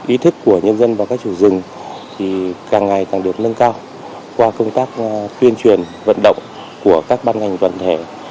ý thức của nhân dân và các chủ rừng càng ngày càng được nâng cao qua công tác tuyên truyền vận động của các ban ngành toàn thể